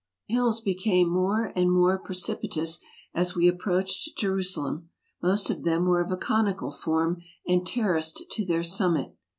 The hills became more and more precipitous as we ap proached Jerusalem; most of them were of a conical form, and terraced to their summit.